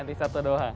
ganti satu doang